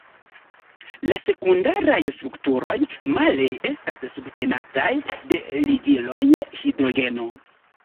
La sekundaraj strukturoj, male, estas subtenataj de ligiloj hidrogeno.